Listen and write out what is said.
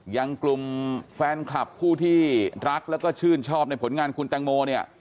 ยังกลุ่มแฟนคลับผู้ที่รักและชื่นชอบในผลงานคุณแตงโม